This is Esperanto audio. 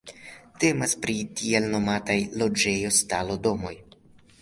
Temas pri tiel nomataj loĝejo-stalo-domoj.